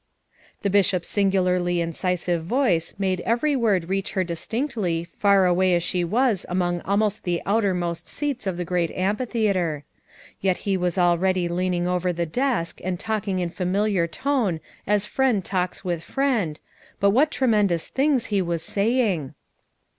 The Bishop's singularly incisive voice made every word reach her distinctly far away as she was among almost the outermost seats of the great amphitheater. Yet he was already lean ing over the desk and talking in familiar tone as friend talks with friend, but what tremend ous things he was saying!